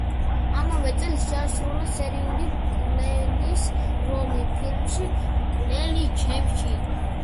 ამავე წელს შეასრულა სერიული მკვლელის როლი ფილმში „მკვლელი ჩემში“.